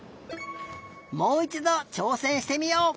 もういちどちょうせんしてみよう！